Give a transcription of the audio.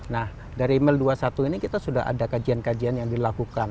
nah dari mil dua puluh satu ini kita sudah ada kajian kajian yang dilakukan